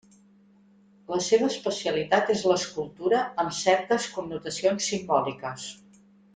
La seva especialitat és l'escultura amb certes connotacions simbòliques.